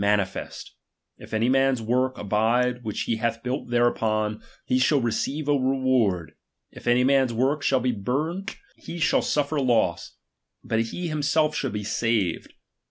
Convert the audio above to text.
nanifest ; if any man's work abide, which he hath built thereupon, he shall re ceive a reward ; if any man's tvork shall be burnt, he shall sifter loss, but he himself shall be saved.